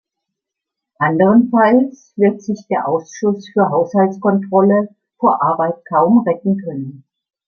Anderenfalls wird sich der Ausschuss für Haushaltskontrolle vor Arbeit kaum retten können.